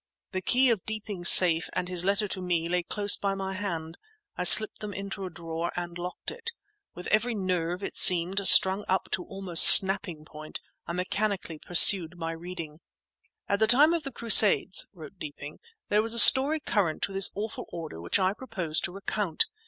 The key of Deeping's safe, and his letter to me, lay close by my hand. I slipped them into a drawer and locked it. With every nerve, it seemed, strung up almost to snapping point, I mechanically pursued my reading. "At the time of the Crusades," wrote Deeping, "there was a story current of this awful Order which I propose to recount.